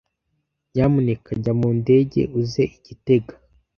Nyamuneka jya mu ndege uze i gitega.